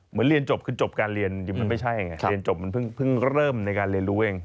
เรียนจบคือจบการเรียนมันไม่ใช่ไงเรียนจบมันเพิ่งเริ่มในการเรียนรู้เอง